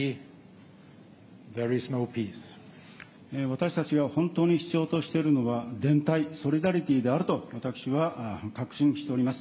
私たちが本当に必要としているのは、連帯・ソリナリティーと私は確信しております。